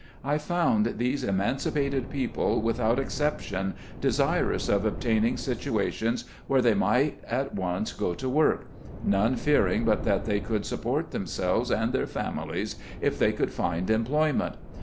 I found these emancipated people without exception, desirous of obtaining situations where they might at once go to work — none fearing but that they could support themselves and their families, if they could find employment.